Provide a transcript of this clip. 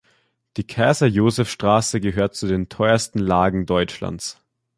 Die Kaiser-Joseph-Straße gehört zu den teuersten Lagen Deutschlands.